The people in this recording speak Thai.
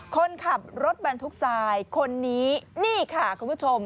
คนขับรถบรรทุกทรายคนนี้นี่ค่ะคุณผู้ชม